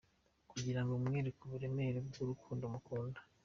Kugira ngo mwereke uburemere bw’urukundo mukunda.